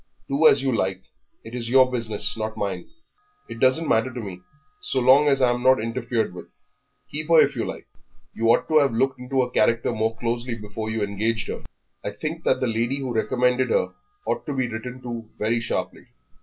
"Do as you like; it is your business, not mine. It doesn't matter to me, so long as I'm not interfered with; keep her if you like. You ought to have looked into her character more closely before you engaged her. I think that the lady who recommended her ought to be written to very sharply."